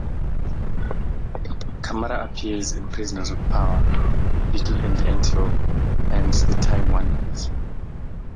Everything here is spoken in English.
Kammerer appears in "Prisoners of Power", "Beetle in the Anthill" and "The Time Wanderers".